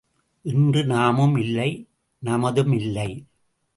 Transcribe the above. இன்று நாமும் இல்லை நமதும் இல்லை.